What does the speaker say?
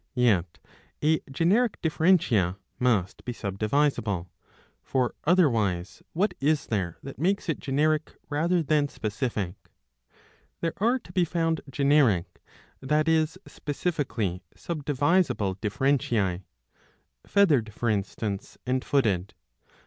Yet a generic differentia must be subdivisible ; for otherwise what is there that makes it generic rather than specific ? There are to be found generic, that is specifically subdivisible, differentiae ; Feathered for instance and Footed.